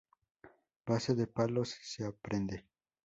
base de palos, se aprende.